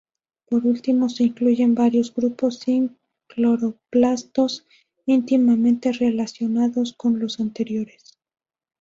Por último, se incluyen varios grupos sin cloroplastos íntimamente relacionados con los anteriores.